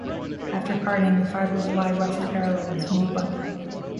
After carding, the fibres lie roughly parallel in smooth bundles.